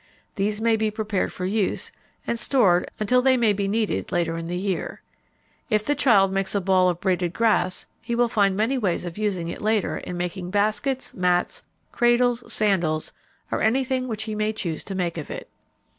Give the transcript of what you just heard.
These may be prepared for use and stored until they may be needed later in the year. If the child makes a ball of braided grass he will find many ways of using it later in making baskets, mats, cradles, sandals, or anything which he may choose to make of it.